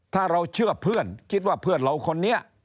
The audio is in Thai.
ถ้าเราเชื่อเพื่อนคิดว่าเพื่อนเราคนนี้